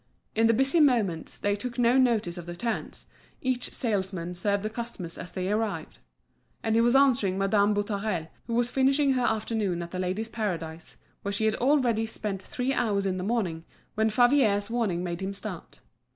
In the busy moments they took no notice of the turns, each salesman served the customers as they arrived. And he was answering Madame Boutarel, who was finishing her afternoon at The Ladies' Paradise, where she had already spent three hours in the morning, when Favier's warning made him start.